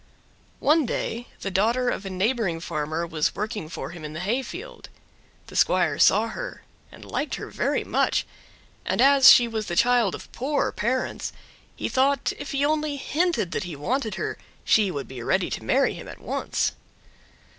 One day the daughter of a neighboring farmer was working for him in the hayfield. The squire saw her and liked her very much, and as she was the child of poor parents he thought if he only hinted that he wanted her she would be ready to marry him at once.